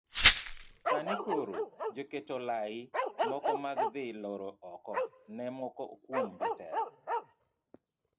Sani koro joketo lai moko mag dhi loro oko ne moko kuom jotelo